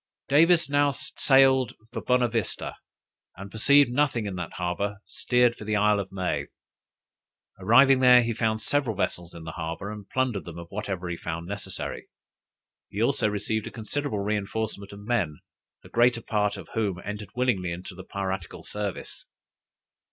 Davis now sailed for Bonavista, and perceiving nothing in that harbor steered for the Isle of May. Arrived there, he found several vessels in the harbor, and plundered them of whatever he found necessary. He also received a considerable reinforcement of men, the greater part of whom entered willingly into the piratical service.